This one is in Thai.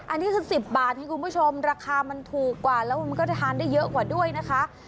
อันนี้คือ๑๐บาทให้คุณผู้ชมราคามันถูกกว่าแล้วมันก็จะทานได้เยอะกว่าด้วยนะคะ